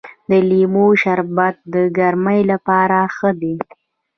د لیمو شربت د ګرمۍ لپاره ښه دی.